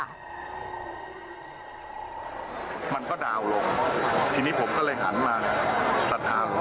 มันก็ดาวน์ลงทีนี้ผมก็เลยหันมาสถานของปู่